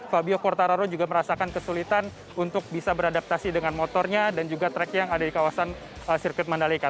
fabio quartararo juga merasakan kesulitan untuk bisa beradaptasi dengan motornya dan juga track yang ada di kawasan sirkuit mandalika